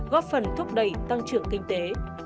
góp phần thúc đẩy tăng trưởng kinh tế